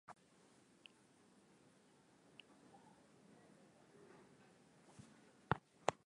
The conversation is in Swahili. ambapo Wajita ni kabila kuu la Wilaya ya Musoma na Bunda